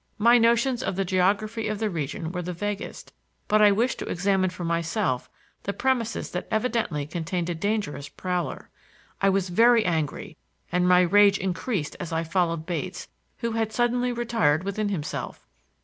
My notions of the geography of the region were the vaguest, but I wished to examine for myself the premises that evidently contained a dangerous prowler. I was very angry and my rage increased as I followed Bates, who had suddenly retired within himself.